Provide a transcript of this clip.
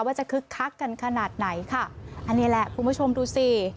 จะคึกคักกันขนาดไหนค่ะอันนี้แหละคุณผู้ชมดูสิ